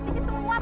gak usah khawatir